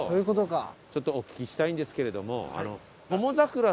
ちょっとお聞きしたいんですけれども。